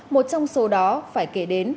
một trong số đó phải kể đến